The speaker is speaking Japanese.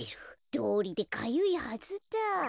どうりでかゆいはずだ。